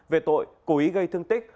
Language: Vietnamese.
về tội cố ý gây thương tích